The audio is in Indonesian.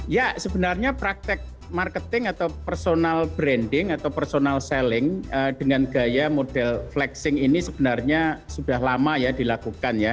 ya sebenarnya praktek marketing atau personal branding atau personal selling dengan gaya model flexing ini sebenarnya sudah lama ya dilakukan ya